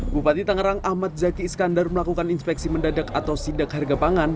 bupati tangerang ahmad zaki iskandar melakukan inspeksi mendadak atau sidak harga pangan